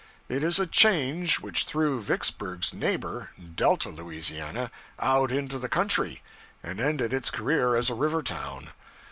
It is a change which threw Vicksburg's neighbor, Delta, Louisiana, out into the country and ended its career as a river town.